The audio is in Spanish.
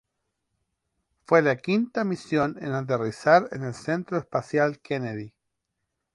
Fue la quinta misión en aterrizar en el Centro Espacial Kennedy.